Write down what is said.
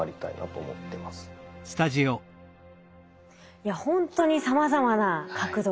いや本当にさまざまな角度から。